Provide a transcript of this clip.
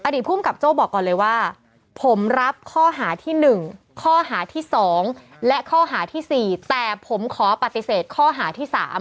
ภูมิกับโจ้บอกก่อนเลยว่าผมรับข้อหาที่๑ข้อหาที่๒และข้อหาที่๔แต่ผมขอปฏิเสธข้อหาที่๓